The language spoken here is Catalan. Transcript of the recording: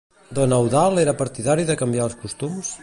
Don Eudald era partidari de canviar els costums?